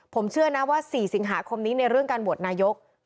ผมเชื่อนะว่า๔สิงหาคมนี้ในเรื่องการโหวตนายก